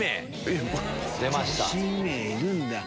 １名いるんだ。